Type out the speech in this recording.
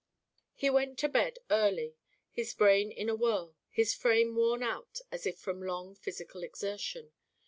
He went to bed early, his brain in a whirl, his frame worn out as if from long physical exertion.